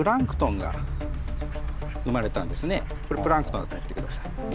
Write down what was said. これプランクトンだと思って下さい。